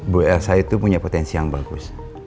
bu elsa itu punya potensi yang bagus